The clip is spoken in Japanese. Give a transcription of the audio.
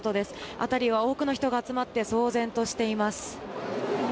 あたりは多くの人が集まって騒然としています。